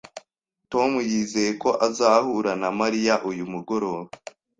Tom yizeye ko azahura na Mariya uyu mugoroba